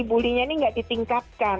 bullying ini nggak ditingkatkan